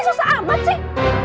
susah amat sih